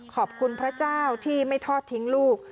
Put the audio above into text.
ขอบคุณพระเจ้าที่ไม่ทอดทิ้งลูก